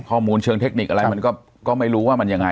ข้อมูลเชิงเทคนิคอะไรมันก็ไม่รู้ว่ามันยังไง